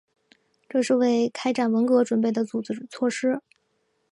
这是为开展文革准备的组织措施。